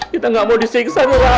kita nggak mau disiksa ya allah